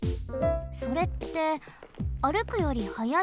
それって歩くより速い？